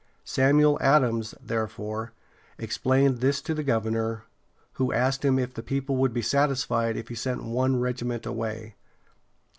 Samuel Ad´ams, therefore, explained this to the governor, who asked him if the people would be satisfied if he sent one regiment away.